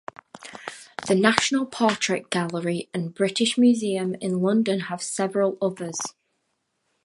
The National Portrait Gallery and British Museum in London have several others.